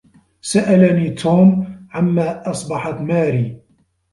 سألني توم عما أصبحت ماري.